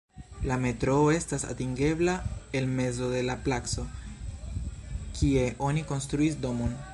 La metroo estas atingebla el mezo de la placo, kie oni konstruis domon.